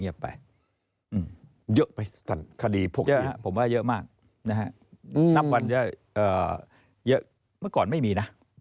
เยอะไปท่านคดีพวกนี้